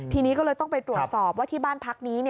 ทีนี้ก็เลยต้องไปตรวจสอบว่าที่บ้านพักนี้